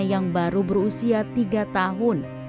yang baru berusia tiga tahun